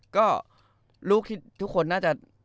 ก็ลูกคิดทุกคนน่าจะ